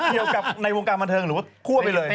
เกี่ยวกับในวงการบันเทิงหรือว่าคั่วไปเลย